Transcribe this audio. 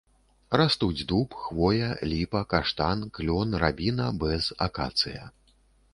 Растуць дуб, хвоя, ліпа, каштан, клён, рабіна, бэз, акацыя.